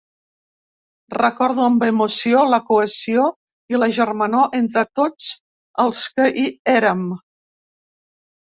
Recordo amb emoció la cohesió i la germanor entre tots els que hi érem.